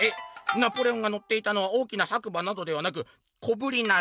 ナポレオンがのっていたのは大きな白馬などではなく小ぶりなラバ。